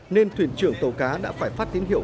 nên thuyền trưởng tàu cá đã phải phát tín hiệu